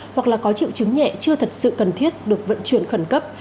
hoặc là có triệu chứng nhẹ chưa thật sự cần thiết được vận chuyển khẩn cấp